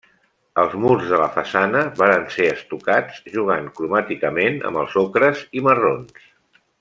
Els murs de la façana varen ser estucats, jugant cromàticament amb els ocres i marrons.